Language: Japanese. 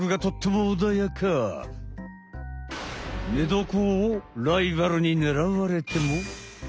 寝床をライバルに狙われても。